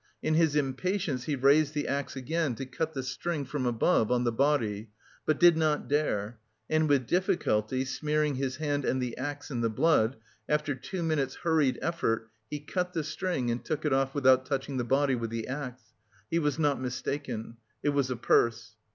In his impatience he raised the axe again to cut the string from above on the body, but did not dare, and with difficulty, smearing his hand and the axe in the blood, after two minutes' hurried effort, he cut the string and took it off without touching the body with the axe; he was not mistaken it was a purse.